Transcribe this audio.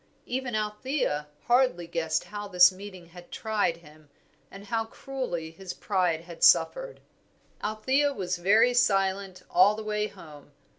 Even Althea hardly guessed how this meeting had tried him, and how cruelly his pride had suffered. Althea was very silent all the way home.